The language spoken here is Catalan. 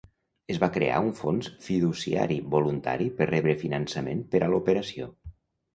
Es va crear un fons fiduciari voluntari per rebre finançament per a l'operació.